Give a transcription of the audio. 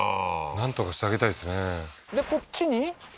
なんとかしてあげたいですね